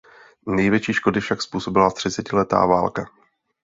Největší škody však způsobila Třicetiletá válka.